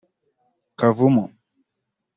Kavumu